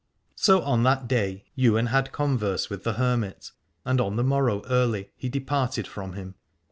So on that day Ywain had converse with the hermit, and on the morrow early he departed from him.